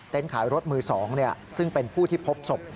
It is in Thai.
ขายรถมือ๒ซึ่งเป็นผู้ที่พบศพ